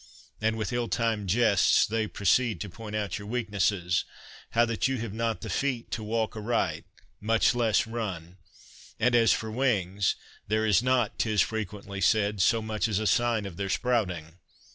And with ill timed jests they proceed to point out your weak nesses ; how that you have not the feet to walk aright, much less run ; and as for wings, there is not, 'tis frequently said, so much as a sign of their sprouting.